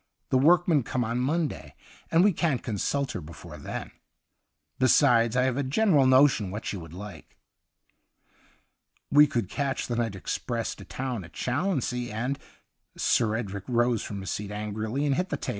The work men come on Monday, and we can't consult her before then. Besides, I have a general notion what she would like.' ' We could catch the night express to town at Challonsea, and ' Sir Edric rose from his seat angrily and hit the table.